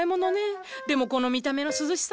でもこの見た目の涼しさ。